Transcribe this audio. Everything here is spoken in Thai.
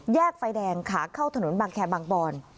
แยกไฟแดงค่าเข้าถนนบังแคบบ่งปอนด์